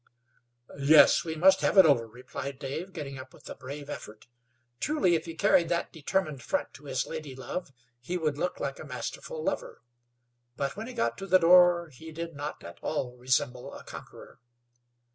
"Yes; we must have it over," replied Dave, getting up with a brave, effort. Truly, if he carried that determined front to his lady love he would look like a masterful lover. But when he got to the door he did not at all resemble a conqueror.